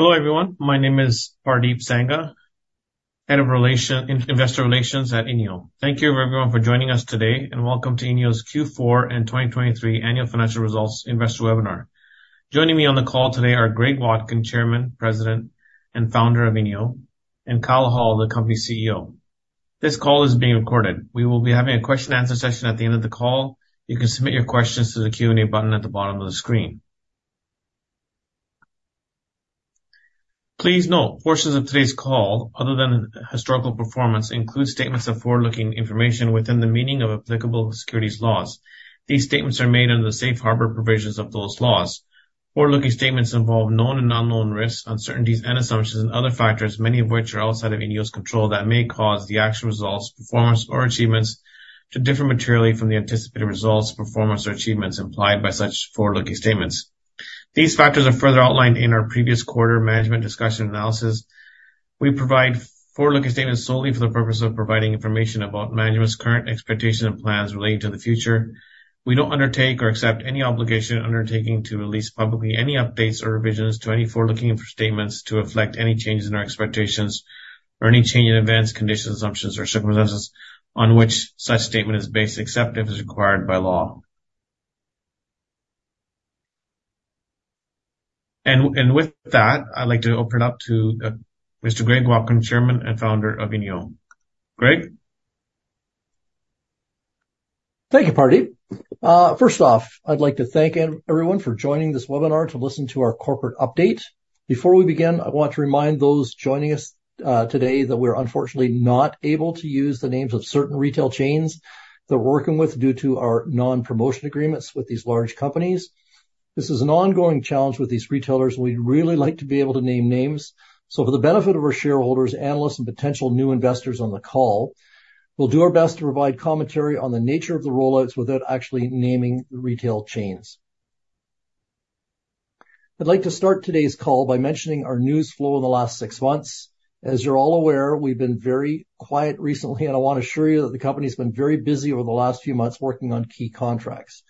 Hello, everyone. My name is Pardeep Sangha, Head of Investor Relations at INEO. Thank you, everyone, for joining us today, and welcome to INEO's Q4 and 2023 annual financial results investor webinar. Joining me on the call today are Greg Watkin, Chairman, President, and Founder of INEO, and Kyle Hall, the company's CEO. This call is being recorded. We will be having a question and answer session at the end of the call. You can submit your questions through the Q&A button at the bottom of the screen. Please note, portions of today's call, other than historical performance, include statements of forward-looking information within the meaning of applicable securities laws. These statements are made under the safe harbor provisions of those laws. Forward-looking statements involve known and unknown risks, uncertainties, and assumptions, and other factors, many of which are outside of INEO's control, that may cause the actual results, performance, or achievements to differ materially from the anticipated results, performance, or achievements implied by such forward-looking statements. These factors are further outlined in our previous quarter management discussion analysis. We provide forward-looking statements solely for the purpose of providing information about management's current expectations and plans relating to the future. We don't undertake or accept any obligation or undertaking to release publicly any updates or revisions to any forward-looking statements to reflect any changes in our expectations or any change in events, conditions, assumptions, or circumstances on which such statement is based, except if it's required by law. And with that, I'd like to open it up to Mr. Greg Watkin, Chairman and Founder of INEO. Greg? Thank you, Pardeep. First off, I'd like to thank everyone for joining this webinar to listen to our corporate update. Before we begin, I want to remind those joining us today that we're unfortunately not able to use the names of certain retail chains that we're working with due to our non-promotion agreements with these large companies. This is an ongoing challenge with these retailers, and we'd really like to be able to name names. For the benefit of our shareholders, analysts, and potential new investors on the call, we'll do our best to provide commentary on the nature of the rollouts without actually naming the retail chains. I'd like to start today's call by mentioning our news flow in the last six months. As you're all aware, we've been very quiet recently, and I want to assure you that the company's been very busy over the last few months working on key contracts.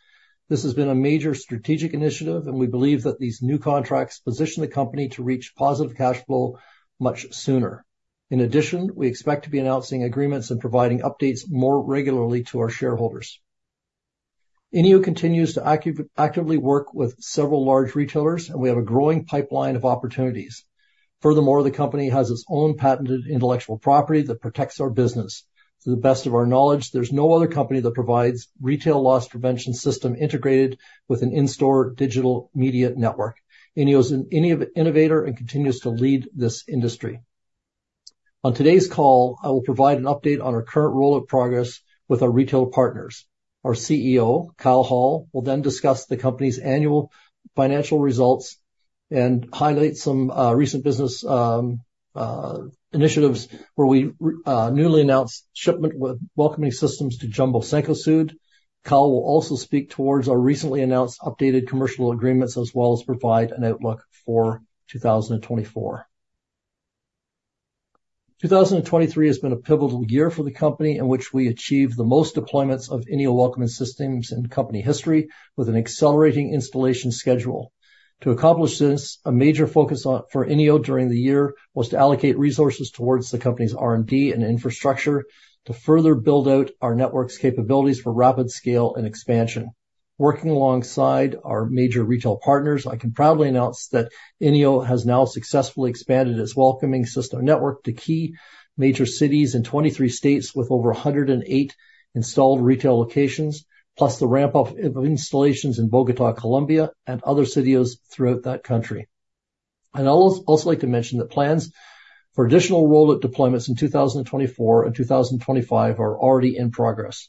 This has been a major strategic initiative, and we believe that these new contracts position the company to reach positive cash flow much sooner. In addition, we expect to be announcing agreements and providing updates more regularly to our shareholders. INEO continues to actively work with several large retailers, and we have a growing pipeline of opportunities. Furthermore, the company has its own patented intellectual property that protects our business. To the best of our knowledge, there's no other company that provides retail loss prevention system integrated with an in-store digital media network. INEO's an innovator and continues to lead this industry. On today's call, I will provide an update on our current rollout of progress with our retail partners. Our CEO, Kyle Hall, will then discuss the company's annual financial results and highlight some recent business initiatives, where we newly announced shipment with Welcoming Systems to Jumbo Cencosud. Kyle will also speak towards our recently announced updated commercial agreements, as well as provide an outlook for 2024. 2023 has been a pivotal year for the company in which we achieved the most deployments of INEO Welcoming Systems in company history, with an accelerating installation schedule. To accomplish this, a major focus for INEO during the year was to allocate resources towards the company's R&D and infrastructure to further build out our network's capabilities for rapid scale and expansion. Working alongside our major retail partners, I can proudly announce that INEO has now successfully expanded its Welcoming System network to key major cities in 23 states, with over 108 installed retail locations, plus the ramp-up of installations in Bogotá, Colombia, and other cities throughout that country. I'd also like to mention that plans for additional rollout deployments in 2024 and 2025 are already in progress.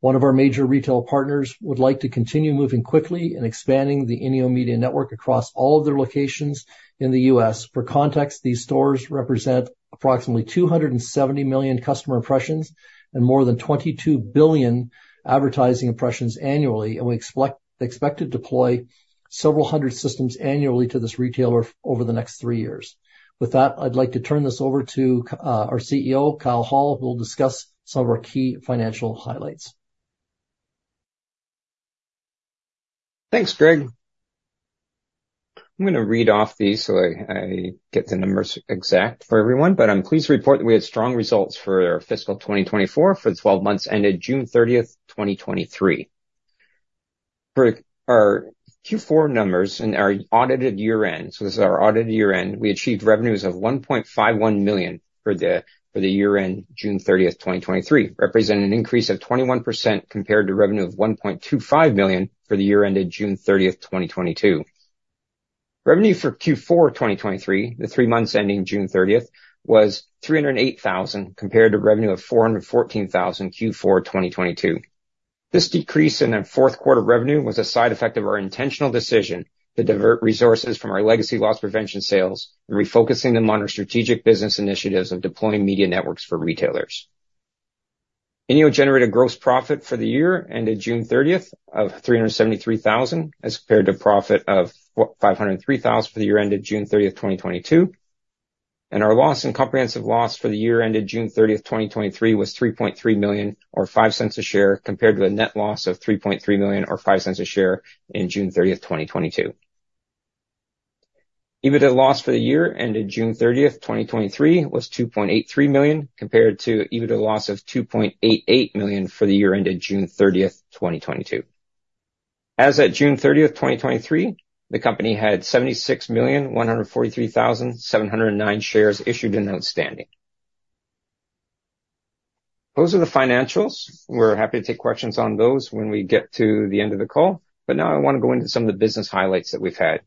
One of our major retail partners would like to continue moving quickly in expanding the INEO Media Network across all of their locations in the U.S. For context, these stores represent approximately 270 million customer impressions and more than 22 billion advertising impressions annually, and we expect to deploy several hundred systems annually to this retailer over the next three years. With that, I'd like to turn this over to our CEO, Kyle Hall, who will discuss some of our key financial highlights. Thanks, Greg. I'm gonna read off these so I get the numbers exact for everyone, but I'm pleased to report that we had strong results for fiscal 2024, for the twelve months ended June thirtieth, 2023. For our Q4 numbers and our audited year-end, so this is our audited year-end, we achieved revenues of 1.51 million for the year-end June thirtieth, 2023, representing an increase of 21% compared to revenue of 1.25 million for the year ended June thirtieth, 2022. Revenue for Q4 2023, the three months ending June thirtieth, was 308 thousand, compared to revenue of 414 thousand, Q4 2022. This decrease in our fourth quarter revenue was a side effect of our intentional decision to divert resources from our legacy loss prevention sales and refocusing them on our strategic business initiatives of deploying media networks for retailers. INEO generated gross profit for the year ended June thirtieth of 373,000, as compared to profit of 453,000 for the year ended June thirtieth, 2022.... And our loss and comprehensive loss for the year ended June thirtieth, 2023, was 3.3 million, or 0.05 per share, compared to a net loss of 3.3 million, or 0.05 per share in June thirtieth, 2022. EBITDA loss for the year ended June thirtieth, 2023, was 2.83 million, compared to EBITDA loss of 2.88 million for the year ended June thirtieth, 2022. As at June thirtieth, 2023, the company had 76,143,709 shares issued and outstanding. Those are the financials. We're happy to take questions on those when we get to the end of the call, but now I want to go into some of the business highlights that we've had.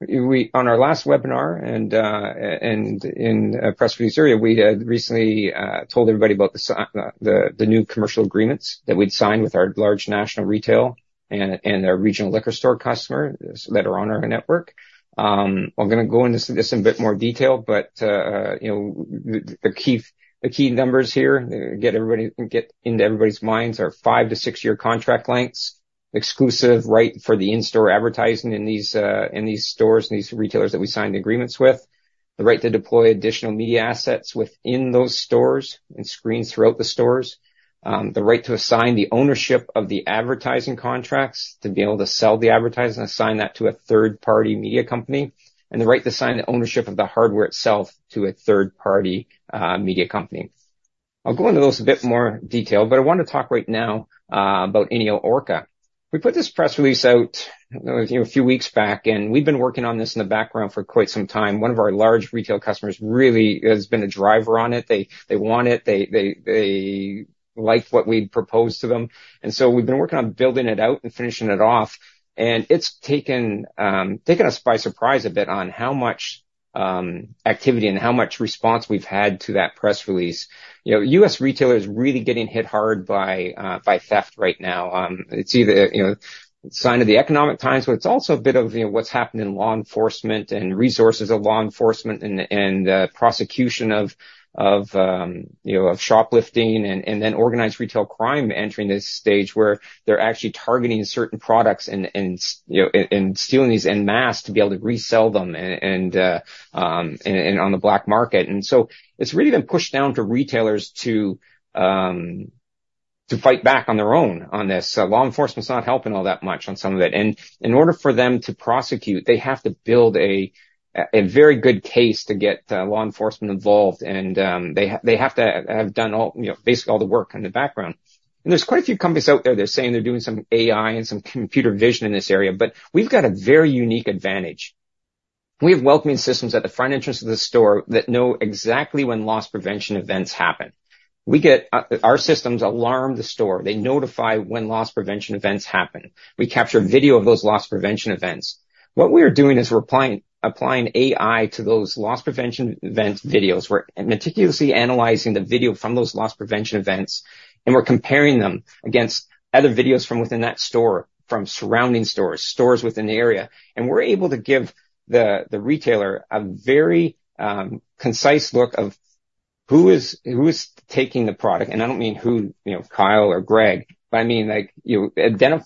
On our last webinar and in a press release earlier, we had recently told everybody about the new commercial agreements that we'd signed with our large national retail and our regional liquor store customers that are on our network. I'm gonna go into this in a bit more detail, but you know, the key numbers here to get into everybody's minds are 5- to 6-year contract lengths, exclusive right for the in-store advertising in these stores and these retailers that we signed agreements with. The right to deploy additional media assets within those stores and screens throughout the stores. The right to assign the ownership of the advertising contracts, to be able to sell the advertising and assign that to a third-party media company, and the right to sign the ownership of the hardware itself to a third-party media company. I'll go into those in a bit more detail, but I want to talk right now about INEO Orca. We put this press release out, you know, a few weeks back, and we've been working on this in the background for quite some time. One of our large retail customers really has been a driver on it. They want it, they liked what we proposed to them, and so we've been working on building it out and finishing it off, and it's taken us by surprise a bit on how much activity and how much response we've had to that press release. You know, U.S. retailers are really getting hit hard by theft right now. It's either, you know, a sign of the economic times, but it's also a bit of, you know, what's happening in law enforcement and resources of law enforcement and prosecution of shoplifting and then organized retail crime entering this stage where they're actually targeting certain products and stealing these en masse to be able to resell them and on the black market. So it's really been pushed down to retailers to, to fight back on their own on this. So law enforcement's not helping all that much on some of it, and in order for them to prosecute, they have to build a very good case to get law enforcement involved, and they have to have done all, you know, basically all the work in the background. And there's quite a few companies out there that are saying they're doing some AI and some computer vision in this area, but we've got a very unique advantage. We have welcoming systems at the front entrance of the store that know exactly when loss prevention events happen. We get. Our systems alarm the store. They notify when loss prevention events happen. We capture video of those loss prevention events. What we are doing is we're applying AI to those loss prevention event videos. We're meticulously analyzing the video from those loss prevention events, and we're comparing them against other videos from within that store, from surrounding stores, stores within the area, and we're able to give the retailer a very concise look of who is taking the product. I don't mean who, you know, Kyle or Greg, but I mean like, you know,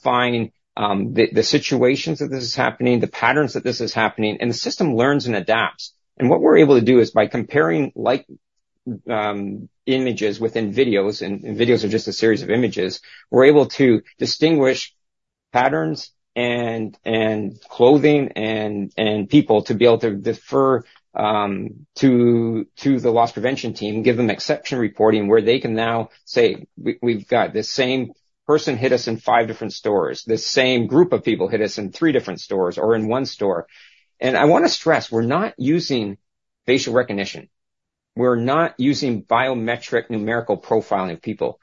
identifying the situations that this is happening, the patterns that this is happening, and the system learns and adapts. What we're able to do is by comparing like images within videos, and videos are just a series of images, we're able to distinguish patterns and clothing and people to be able to defer to the loss prevention team, give them exception reporting, where they can now say, "We've got this same person hit us in five different stores. This same group of people hit us in three different stores or in one store." I want to stress, we're not using facial recognition. We're not using biometric numerical profiling of people.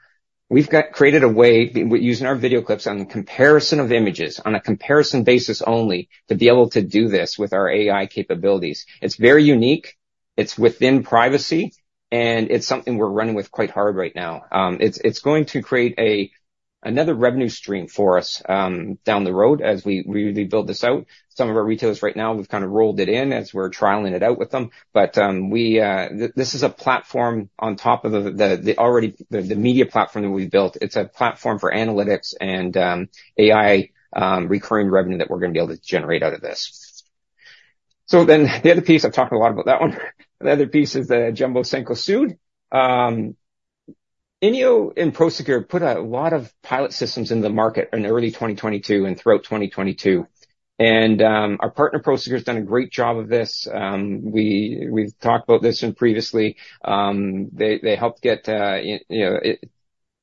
We've got created a way using our video clips on the comparison of images, on a comparison basis only, to be able to do this with our AI capabilities. It's very unique, it's within privacy, and it's something we're running with quite hard right now. It's going to create another revenue stream for us down the road as we really build this out. Some of our retailers right now, we've kind of rolled it in as we're trialing it out with them. But this is a platform on top of the media platform that we've built. It's a platform for analytics and AI recurring revenue that we're gonna be able to generate out of this. So then the other piece, I've talked a lot about that one. The other piece is the Jumbo Cencosud. INEO and Prosegur put a lot of pilot systems in the market in early 2022 and throughout 2022, and our partner, Prosegur, has done a great job of this. We've talked about this previously. They helped get, you know,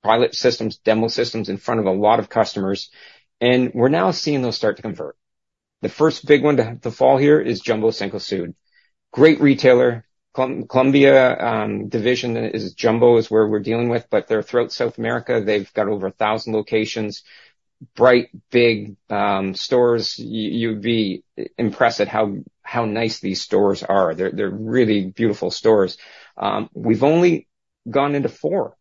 pilot systems, demo systems in front of a lot of customers, and we're now seeing those start to convert. The first big one to fall here is Jumbo Cencosud. Great retailer. Colombia division is Jumbo, is where we're dealing with, but they're throughout South America. They've got over 1,000 locations. Bright, big stores. You'd be impressed at how nice these stores are. They're really beautiful stores. We've only gone into four.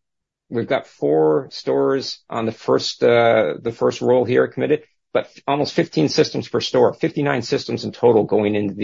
We've got four stores on the first roll here are committed, but almost 15 systems per store, 59 systems in total going into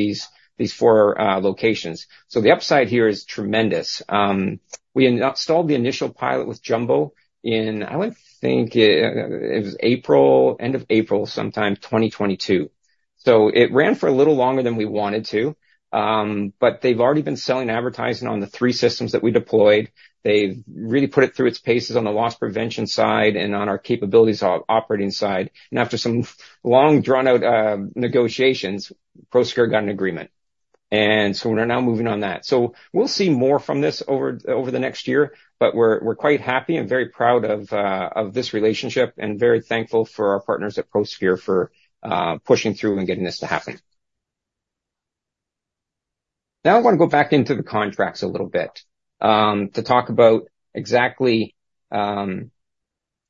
these four locations. So the upside here is tremendous. We installed the initial pilot with Jumbo in, I would think, it was April, end of April, sometime, 2022. So it ran for a little longer than we wanted to, but they've already been selling advertising on the three systems that we deployed. They've really put it through its paces on the loss prevention side and on our capabilities operating side. And after some long, drawn-out negotiations, Prosegur got an agreement, and so we're now moving on that. So we'll see more from this over the next year, but we're quite happy and very proud of this relationship and very thankful for our partners at Prosegur for pushing through and getting this to happen. Now, I want to go back into the contracts a little bit, to talk about exactly,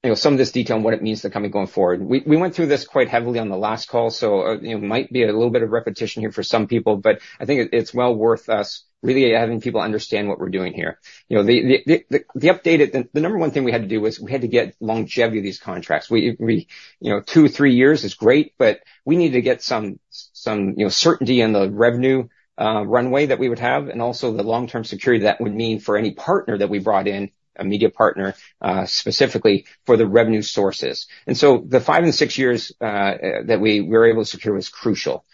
you know, some of this detail and what it means to the company going forward. We went through this quite heavily on the last call, so you know, might be a little bit of repetition here for some people, but I think it's well worth us really having people understand what we're doing here. You know, the update at the. The number one thing we had to do was we had to get longevity of these contracts. We you know, 2, 3 years is great, but we need to get some you know, certainty in the revenue runway that we would have and also the long-term security that would mean for any partner that we brought in, a media partner, specifically for the revenue sources. And so the 5 and 6 years that we were able to secure was crucial.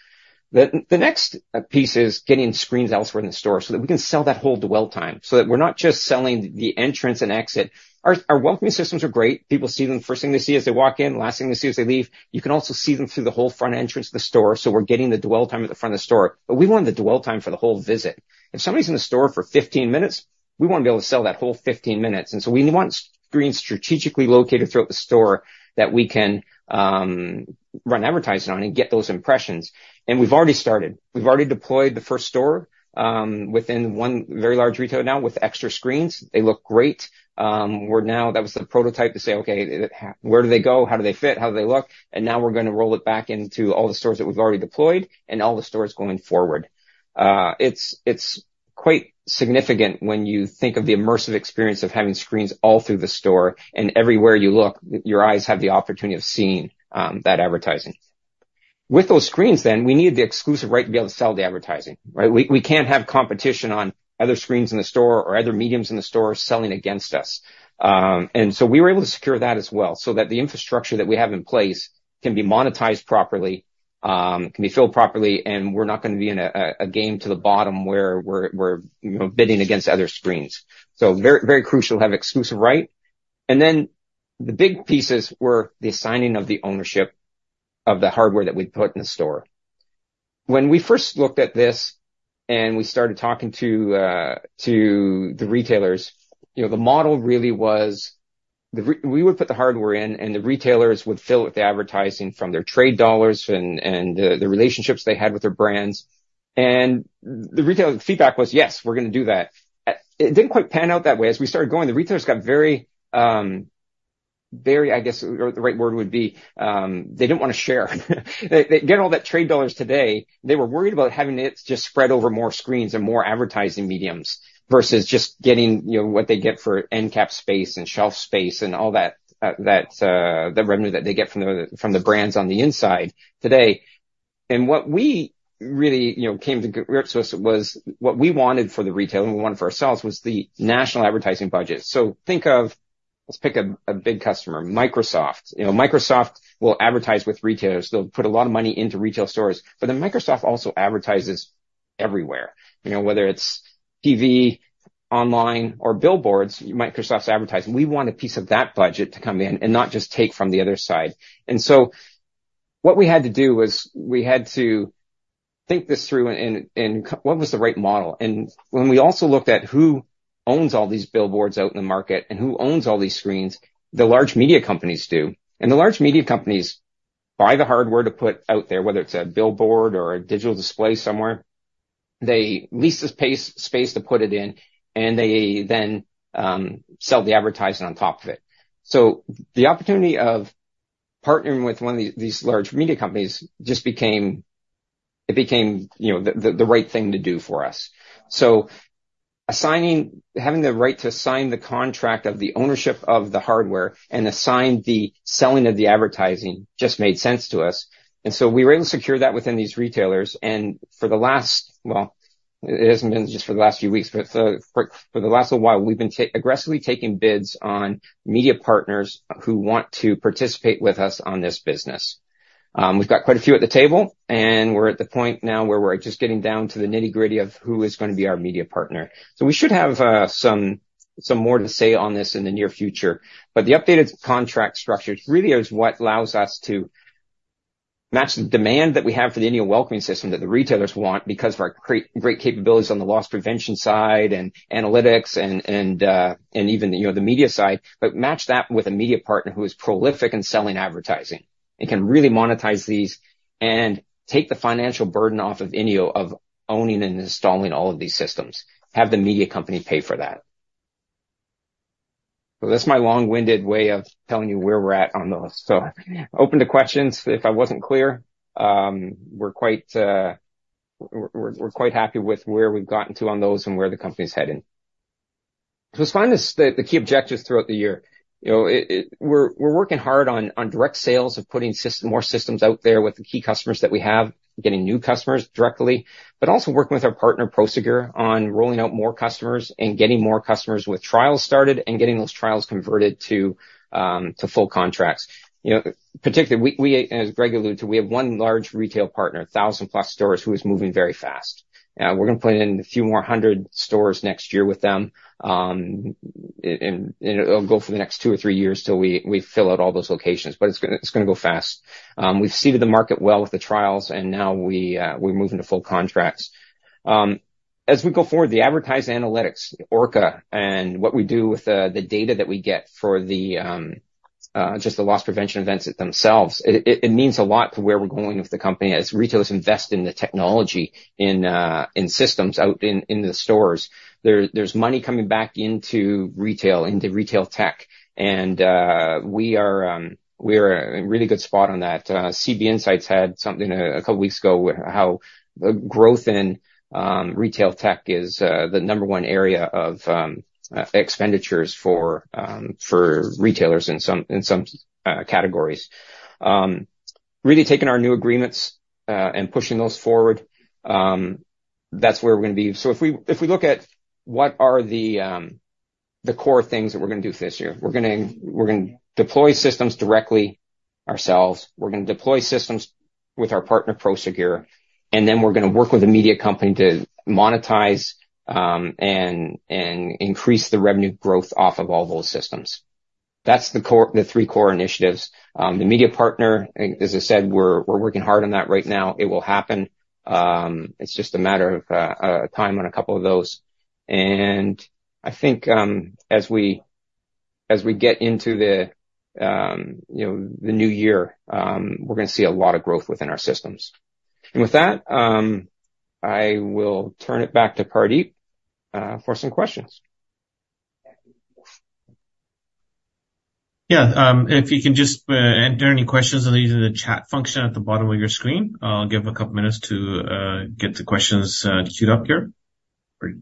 The next piece is getting screens elsewhere in the store so that we can sell that whole dwell time, so that we're not just selling the entrance and exit. Our welcoming systems are great. People see them, first thing they see as they walk in, last thing they see as they leave. You can also see them through the whole front entrance of the store, so we're getting the dwell time at the front of the store, but we want the dwell time for the whole visit. If somebody's in the store for 15 minutes, we want to be able to sell that whole 15 minutes, and so we want screens strategically located throughout the store that we can run advertising on and get those impressions. We've already started. We've already deployed the first store within one very large retailer now with extra screens. They look great. We're now... That was the prototype to say, okay, where do they go? How do they fit? How do they look? And now we're gonna roll it back into all the stores that we've already deployed and all the stores going forward. It's quite significant when you think of the immersive experience of having screens all through the store, and everywhere you look, your eyes have the opportunity of seeing that advertising. With those screens, then, we need the exclusive right to be able to sell the advertising, right? We can't have competition on other screens in the store or other mediums in the store selling against us. And so we were able to secure that as well, so that the infrastructure that we have in place can be monetized properly, can be filled properly, and we're not gonna be in a race to the bottom where we're you know, bidding against other screens. So very, very crucial to have exclusive right. And then the big pieces were the assigning of the ownership of the hardware that we put in the store. When we first looked at this, and we started talking to the retailers, you know, the model really was we would put the hardware in, and the retailers would fill it with the advertising from their trade dollars and the relationships they had with their brands. And the retail feedback was, "Yes, we're gonna do that." It didn't quite pan out that way. As we started going, the retailers got very, very... I guess, the right word would be, they didn't want to share. They get all that trade dollars today. They were worried about having it just spread over more screens and more advertising mediums versus just getting, you know, what they get for end cap space and shelf space and all that, the revenue that they get from the brands on the inside today. And what we really, you know, came to so was, what we wanted for the retailer and we wanted for ourselves was the national advertising budget. So think of... Let's pick a big customer, Microsoft. You know, Microsoft will advertise with retailers. They'll put a lot of money into retail stores, but then Microsoft also advertises everywhere. You know, whether it's TV, online, or billboards, Microsoft's advertising. We want a piece of that budget to come in and not just take from the other side. And so what we had to do was, we had to think this through and what was the right model. And when we also looked at who owns all these billboards out in the market and who owns all these screens, the large media companies do. And the large media companies buy the hardware to put out there, whether it's a billboard or a digital display somewhere. They lease the space, space to put it in, and they then sell the advertising on top of it. So the opportunity of partnering with one of these large media companies just became, you know, the right thing to do for us. So assigning... Having the right to assign the contract of the ownership of the hardware and assign the selling of the advertising just made sense to us, and so we were able to secure that within these retailers. And for the last, well, it hasn't been just for the last few weeks, but for the last little while, we've been aggressively taking bids on media partners who want to participate with us on this business. We've got quite a few at the table, and we're at the point now where we're just getting down to the nitty-gritty of who is gonna be our media partner. So we should have some more to say on this in the near future. But the updated contract structure really is what allows us to match the demand that we have for the INEO Welcoming System that the retailers want because of our great capabilities on the loss prevention side and analytics and even, you know, the media side, but match that with a media partner who is prolific in selling advertising and can really monetize these and take the financial burden off of INEO, of owning and installing all of these systems, have the media company pay for that. So that's my long-winded way of telling you where we're at on those. So open to questions if I wasn't clear. We're quite happy with where we've gotten to on those and where the company's heading. So let's find the key objectives throughout the year. You know, we're working hard on direct sales of putting more systems out there with the key customers that we have, getting new customers directly, but also working with our partner, Prosegur, on rolling out more customers and getting more customers with trials started and getting those trials converted to full contracts. You know, particularly, as Greg alluded to, we have one large retail partner, thousand-plus stores, who is moving very fast. We're gonna put in a few more hundred stores next year with them, and it'll go for the next two or three years till we fill out all those locations. But it's gonna go fast. We've seeded the market well with the trials, and now we're moving to full contracts. As we go forward, the advertising analytics, Orca, and what we do with the data that we get for the just the loss prevention events themselves, it means a lot to where we're going with the company. As retailers invest in the technology in systems out in the stores, there's money coming back into retail, into retail tech, and we are in a really good spot on that. CB Insights had something a couple weeks ago, with how the growth in retail tech is the number one area of expenditures for retailers in some categories. Really taking our new agreements and pushing those forward, that's where we're gonna be. So if we, if we look at what are the, the core things that we're gonna do for this year, we're gonna, we're gonna deploy systems directly ourselves, we're gonna deploy systems with our partner, Prosegur, and then we're gonna work with a media company to monetize, and, and increase the revenue growth off of all those systems. That's the core... The three core initiatives. The media partner, as I said, we're, we're working hard on that right now. It will happen. It's just a matter of time on a couple of those. And I think, as we, as we get into the, you know, the new year, we're gonna see a lot of growth within our systems. And with that, I will turn it back to Pardeep for some questions. Yeah, if you can just enter any questions into the chat function at the bottom of your screen. I'll give a couple minutes to get the questions queued up here. Great.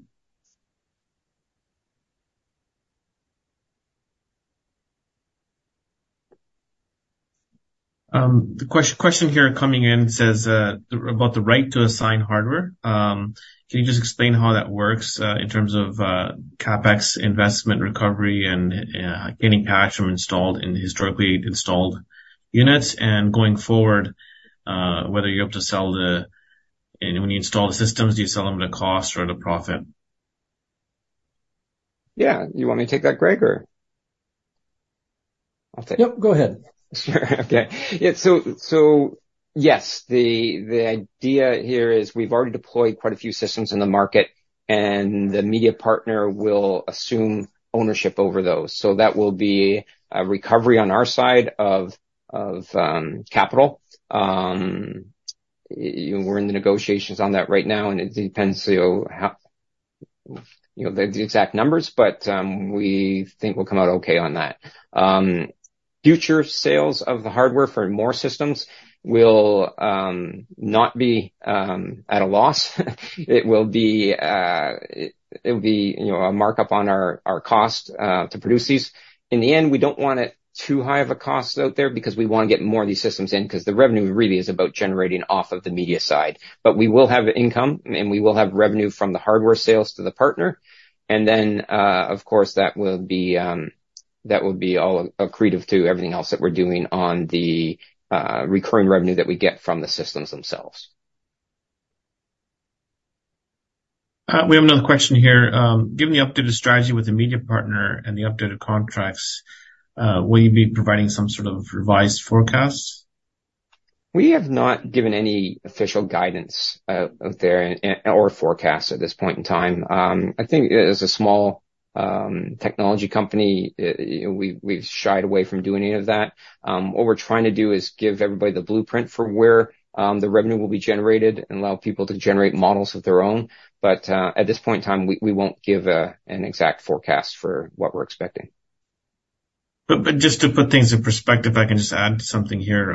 The question here coming in says about the right to assign hardware. Can you just explain how that works in terms of CapEx investment recovery and getting patches installed in historically installed units, and going forward whether you're able to sell the... And when you install the systems, do you sell them at a cost or at a profit? Yeah. You want me to take that, Greg, or? I'll take- Yep, go ahead. Sure. Okay. Yeah, so, yes, the idea here is we've already deployed quite a few systems in the market, and the media partner will assume ownership over those. So that will be a recovery on our side of capital. We're in the negotiations on that right now, and it depends, you know, the exact numbers, but we think we'll come out okay on that. Future sales of the hardware for more systems will not be at a loss. It will be, it will be, you know, a markup on our cost to produce these. In the end, we don't want it too high of a cost out there because we want to get more of these systems in, because the revenue really is about generating off of the media side. But we will have income, and we will have revenue from the hardware sales to the partner. And then, of course, that will be, that will be all accretive to everything else that we're doing on the, recurring revenue that we get from the systems themselves. We have another question here. Given the updated strategy with the media partner and the updated contracts, will you be providing some sort of revised forecast? We have not given any official guidance out there or forecast at this point in time. I think as a small technology company, you know, we've shied away from doing any of that. What we're trying to do is give everybody the blueprint for where the revenue will be generated and allow people to generate models of their own. But at this point in time, we won't give an exact forecast for what we're expecting. But just to put things in perspective, if I can just add something here.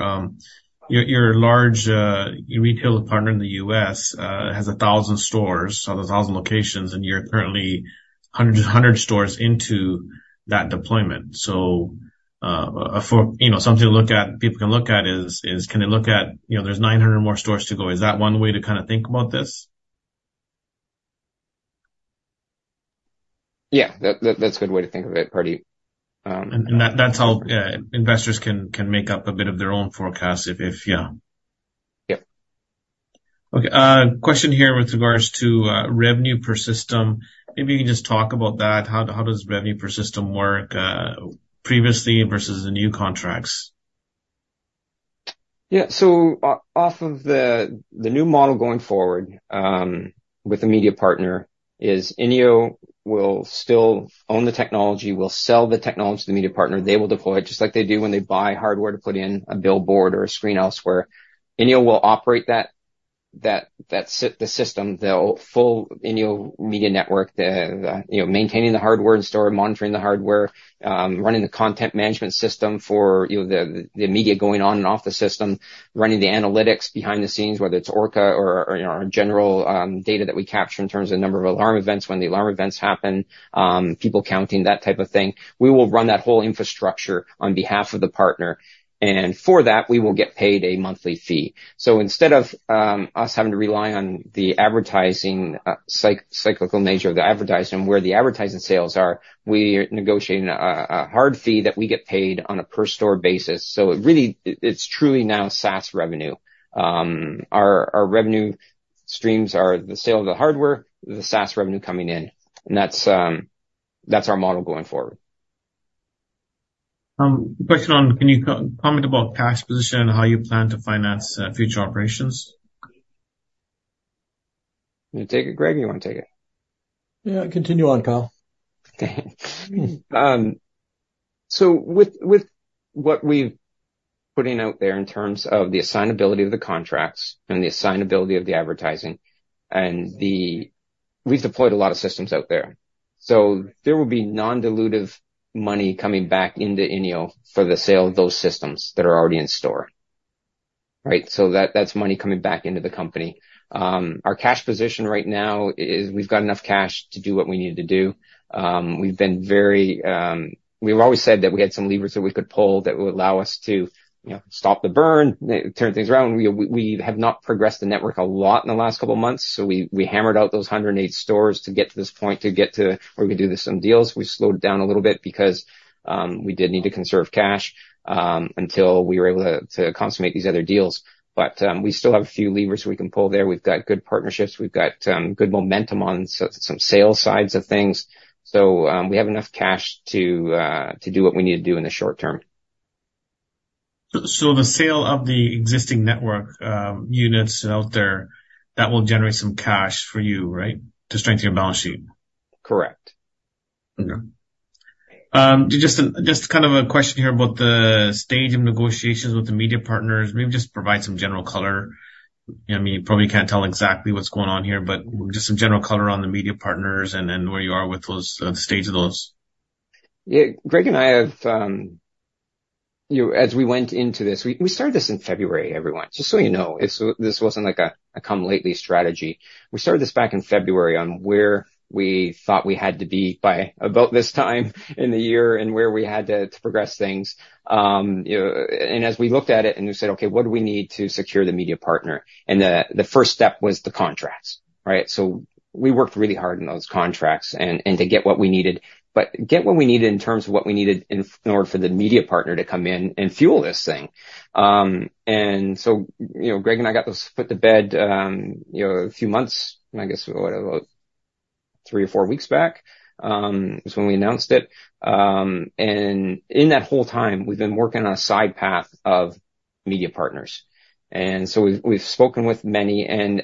Your large retail partner in the US has 1,000 stores, so there's 1,000 locations, and you're currently 100 stores into that deployment. So, for, you know, something to look at, people can look at is can they look at, you know, there's 900 more stores to go. Is that one way to kind of think about this? Yeah, that's a good way to think of it, Pardeep. That, that's how investors can make up a bit of their own forecast if... Yeah. Yep. Okay, question here with regards to revenue per system. Maybe you can just talk about that. How does revenue per system work previously versus the new contracts? Yeah. So off of the new model going forward, with the media partner, INEO will still own the technology, will sell the technology to the media partner. They will deploy it, just like they do when they buy hardware to put in a billboard or a screen elsewhere. INEO will operate that the system, the full INEO Media Network, you know, maintaining the hardware in store, monitoring the hardware, running the content management system for, you know, the media going on and off the system, running the analytics behind the scenes, whether it's INEO Orca or, you know, our general data that we capture in terms of number of alarm events, when the alarm events happen, people counting, that type of thing. We will run that whole infrastructure on behalf of the partner, and for that, we will get paid a monthly fee. So instead of us having to rely on the advertising cyclical nature of the advertising, where the advertising sales are, we are negotiating a hard fee that we get paid on a per store basis. So it really it's truly now SaaS revenue. Our revenue streams are the sale of the hardware, the SaaS revenue coming in, and that's our model going forward. Question on, can you comment about cash position and how you plan to finance future operations? You take it, Greg, or you wanna take it? Yeah, continue on, Kyle. So with what we've putting out there in terms of the assignability of the contracts and the assignability of the advertising we've deployed a lot of systems out there. So there will be non-dilutive money coming back into INEO for the sale of those systems that are already in store, right? So that's money coming back into the company. Our cash position right now is we've got enough cash to do what we need to do. We've been very... We've always said that we had some levers that we could pull that would allow us to, you know, stop the burn, turn things around. We have not progressed the network a lot in the last couple of months, so we hammered out those 108 stores to get to this point, to get to where we could do some deals. We slowed it down a little bit because we did need to conserve cash until we were able to consummate these other deals. But we still have a few levers we can pull there. We've got good partnerships, we've got good momentum on some sales sides of things. So we have enough cash to do what we need to do in the short term. So the sale of the existing network units out there, that will generate some cash for you, right? To strengthen your balance sheet. Correct. Okay. Just, just kind of a question here about the stage of negotiations with the media partners. Maybe just provide some general color. I mean, you probably can't tell exactly what's going on here, but just some general color on the media partners and, and where you are with those, the stage of those. Yeah. Greg and I have, you know, as we went into this, we started this in February, everyone, just so you know. It's this wasn't like a come-lately strategy. We started this back in February on where we thought we had to be by about this time in the year and where we had to progress things. You know, and as we looked at it and we said, "Okay, what do we need to secure the media partner?" And the first step was the contracts, right? So we worked really hard on those contracts and to get what we needed, but get what we needed in terms of what we needed in order for the media partner to come in and fuel this thing. So, you know, Greg and I got those put to bed, you know, a few months, I guess, what, about three or four weeks back, is when we announced it. And in that whole time, we've been working on a side path of media partners. So we've spoken with many, and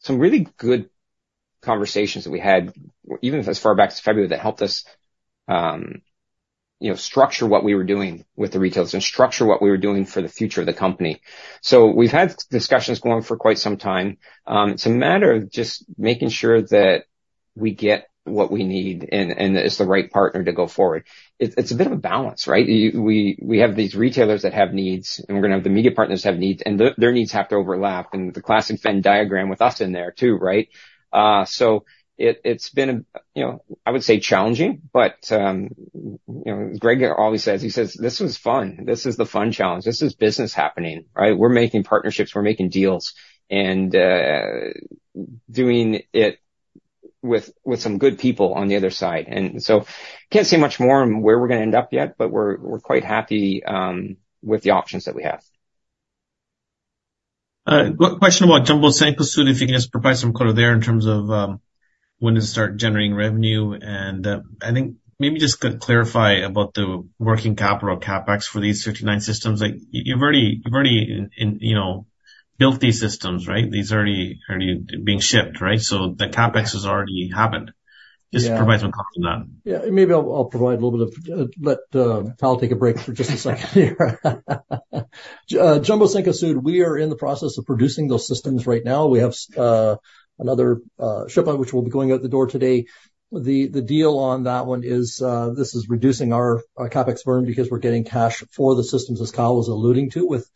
some really good conversations that we had, even as far back as February, that helped us, you know, structure what we were doing with the retailers and structure what we were doing for the future of the company. So we've had discussions going for quite some time. It's a matter of just making sure that we get what we need and it's the right partner to go forward. It's a bit of a balance, right? We have these retailers that have needs, and we're gonna have the media partners have needs, and their needs have to overlap, and the classic Venn diagram with us in there too, right? So it's been, you know, I would say challenging, but, you know, Greg always says, he says, "This is fun. This is the fun challenge. This is business happening," right? We're making partnerships, we're making deals, and doing it with some good people on the other side. So can't say much more on where we're gonna end up yet, but we're quite happy with the options that we have. One question about Jumbo Cencosud, if you can just provide some color there in terms of when to start generating revenue. I think maybe just could clarify about the working capital CapEx for these 39 systems. Like, you've already you know built these systems, right? These are already being shipped, right? So the CapEx has already happened. Yeah. Just provide some color on that. Yeah. Maybe I'll, I'll provide a little bit of. Let Kyle take a break for just a second here. Jumbo Cencosud, we are in the process of producing those systems right now. We have another shipment which will be going out the door today. The deal on that one is, this is reducing our CapEx burn because we're getting cash for the systems, as Kyle was alluding to, with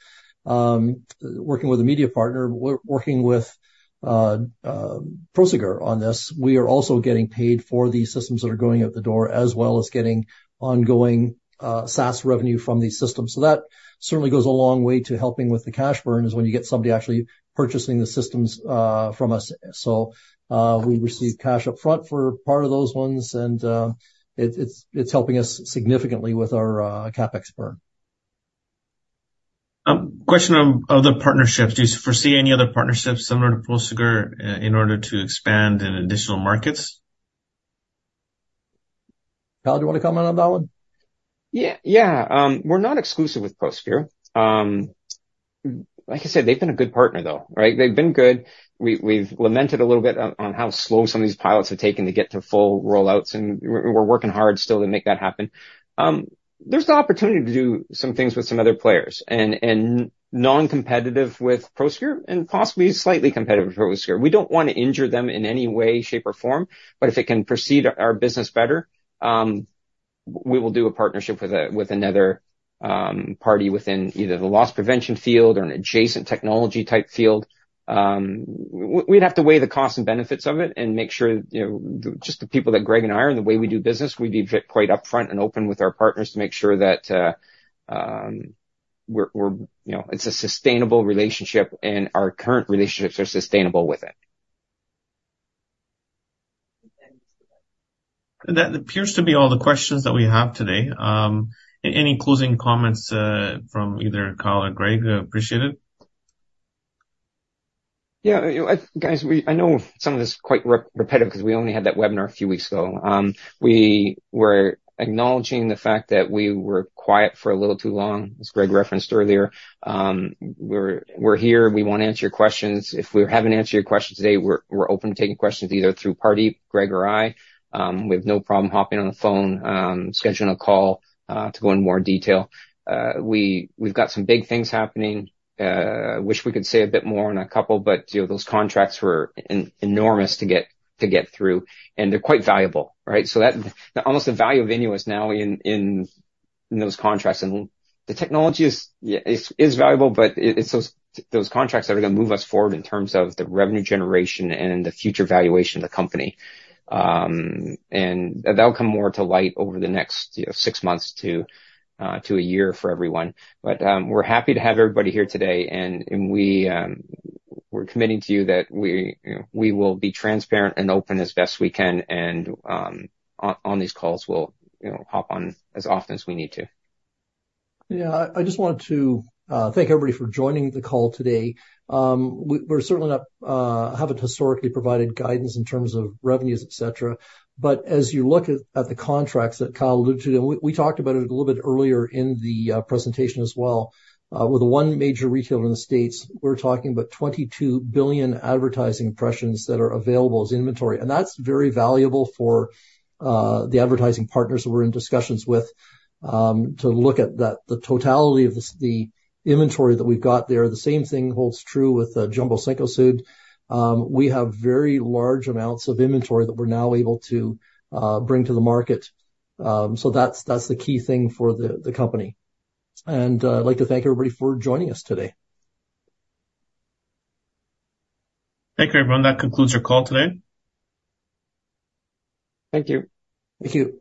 working with a media partner. We're working with Prosegur on this. We are also getting paid for the systems that are going out the door, as well as getting ongoing SaaS revenue from these systems. So that certainly goes a long way to helping with the cash burn, is when you get somebody actually purchasing the systems from us. We receive cash up front for part of those ones, and it's helping us significantly with our CapEx burn. Question on other partnerships. Do you foresee any other partnerships similar to Prosegur in order to expand in additional markets? Kyle, do you want to comment on that one? Yeah, yeah. We're not exclusive with Prosegur. Like I said, they've been a good partner, though, right? They've been good. We've lamented a little bit on how slow some of these pilots have taken to get to full rollouts, and we're working hard still to make that happen. There's the opportunity to do some things with some other players and non-competitive with Prosegur and possibly slightly competitive with Prosegur. We don't want to injure them in any way, shape, or form, but if it can proceed our business better, we will do a partnership with another party within either the loss prevention field or an adjacent technology type field. We'd have to weigh the costs and benefits of it and make sure, you know, just the people that Greg and I are, and the way we do business, we'd be quite upfront and open with our partners to make sure that, we're, you know, it's a sustainable relationship, and our current relationships are sustainable with it.... That appears to be all the questions that we have today. Any closing comments from either Kyle or Greg? I appreciate it. Yeah, guys, we—I know some of this is quite repetitive because we only had that webinar a few weeks ago. We were acknowledging the fact that we were quiet for a little too long, as Greg referenced earlier. We're here. We want to answer your questions. If we haven't answered your question today, we're open to taking questions either through Pardeep, Greg, or I. We have no problem hopping on the phone, scheduling a call, to go into more detail. We've got some big things happening. I wish we could say a bit more on a couple, but, you know, those contracts were enormous to get through, and they're quite valuable, right? So almost the value of INEO is now in those contracts, and the technology is valuable, but it's those contracts that are gonna move us forward in terms of the revenue generation and the future valuation of the company. And that'll come more to light over the next, you know, 6 months to a year for everyone. But we're happy to have everybody here today, and we, we're committing to you that we, you know, we will be transparent and open as best we can, and on these calls, we'll, you know, hop on as often as we need to. Yeah. I, I just wanted to thank everybody for joining the call today. We're certainly not, haven't historically provided guidance in terms of revenues, et cetera, but as you look at the contracts that Kyle alluded to, and we talked about it a little bit earlier in the presentation as well. With the one major retailer in the States, we're talking about 22 billion advertising impressions that are available as inventory, and that's very valuable for the advertising partners that we're in discussions with to look at that, the totality of the inventory that we've got there. The same thing holds true with Jumbo Cencosud. We have very large amounts of inventory that we're now able to bring to the market. So that's the key thing for the company. I'd like to thank everybody for joining us today. Thank you, everyone. That concludes your call today. Thank you. Thank you.